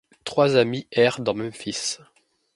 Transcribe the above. Trois amis errent dans Memphis.